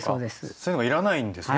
そういうのが要らないんですね。